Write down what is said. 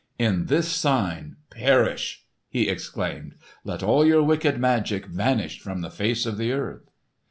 "In this sign, perish!" he exclaimed. "Let all your wicked magic vanish from the face of the earth!"